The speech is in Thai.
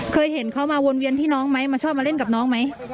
เคยเห็นเขามาวนเวียนพี่น้องไหมมาชอบมาเล่นกับน้องไหม